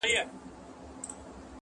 چي راضي راڅخه روح د خوشحال خان سي٫